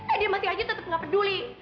eh dia masih aja tetap gak peduli